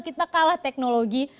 kita kalah teknologi